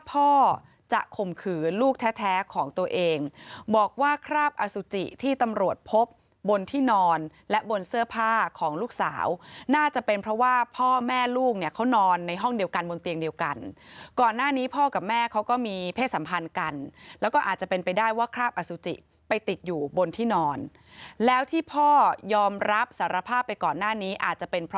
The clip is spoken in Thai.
พ่อจะข่มขืนลูกแท้ของตัวเองบอกว่าคราบอสุจิที่ตำรวจพบบนที่นอนและบนเสื้อผ้าของลูกสาวน่าจะเป็นเพราะว่าพ่อแม่ลูกเนี่ยเขานอนในห้องเดียวกันบนเตียงเดียวกันก่อนหน้านี้พ่อกับแม่เขาก็มีเพศสัมพันธ์กันแล้วก็อาจจะเป็นไปได้ว่าคราบอสุจิไปติดอยู่บนที่นอนแล้วที่พ่อยอมรับสารภาพไปก่อนหน้านี้อาจจะเป็นเพราะ